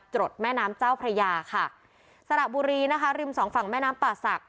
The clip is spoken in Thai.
ดแม่น้ำเจ้าพระยาค่ะสระบุรีนะคะริมสองฝั่งแม่น้ำป่าศักดิ